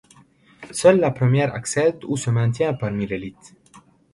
Seul le premier accède ou se maintient parmi l'élite.